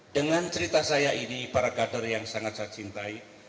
dengan cerita saya ini para kader yang sangat saya cintai